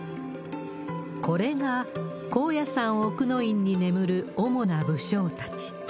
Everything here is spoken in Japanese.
これが、高野山奥之院に眠る主な武将たち。